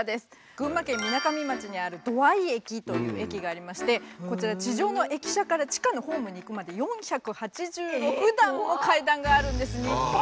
群馬県みなかみ町にある土合駅という駅がありましてこちら地上の駅舎から地下のホームに行くまで４８６段も階段があるんです。